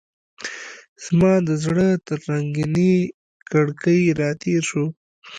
زما د زړه تر رنګینې کړکۍ راتیر شو